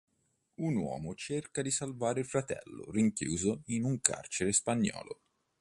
Un uomo cerca di salvare il fratello rinchiuso in un carcere spagnolo.